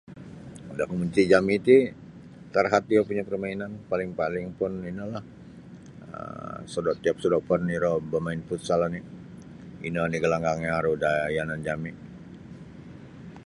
Da komuniti jami ti terhad iyo punya permainan paling-paling pun ino lah um sodo tiap sodopon iro bamain futsal oni ino nio galanggang yang aru da yanan jami.